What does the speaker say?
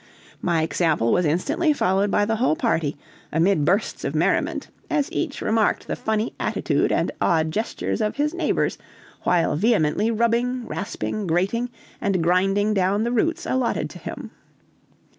My example was instantly followed by the whole party, amid bursts of merriment, as each remarked the funny attitude and odd gestures of his neighbors while vehemently rubbing, rasping, grating, and grinding down the roots allotted to him.